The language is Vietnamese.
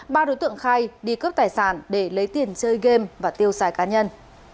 ba đối tượng khai đi cướp tài sản để lấy tiền chơi game và tiêu xài cá nhân